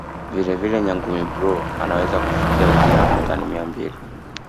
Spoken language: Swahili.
Vile vile Nyangumi bluu anaweza kufikia uzito wa tani mia mbili